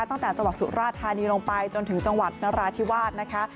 ตั้งแต่จังหวัดสุราธานีลงไปจนถึงจังหวัดนราธิวาสนะคะ